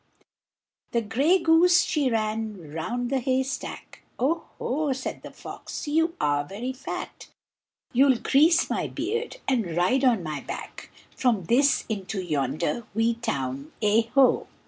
The grey goose she ran round the hay stack, "Oh, ho!" said the fox, "you are very fat; You'll grease my beard and ride on my back From this into yonder wee town, e ho!"